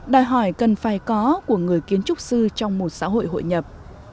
đòi hỏi cần phải có của người kiến trúc sư trong một xã hội hội nhập